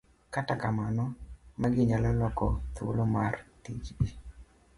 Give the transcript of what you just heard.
kata kamano, magi nyalo loko thuolo mar tijgi